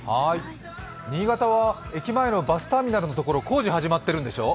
新潟は駅前のバスターミナルのところ、工事してるんでしょ？